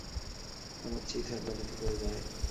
আমর চিৎ হয়ে মাটিতে পড়ে যায়।